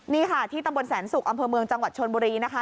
นี่ค่ะที่ตำบลแสนศุกร์อำเภอเมืองจังหวัดชนบุรีนะคะ